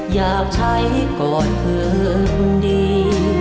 อยากใช้ก่อนเธอคนดี